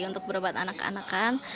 untuk berobat anak anakan